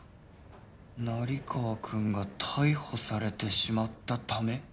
「成川くんが逮捕されてしまったため」！？